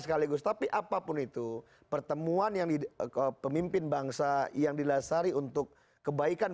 sekaligus tapi apapun itu pertemuan yang di pemimpin bangsa yang dilasari untuk kebaikan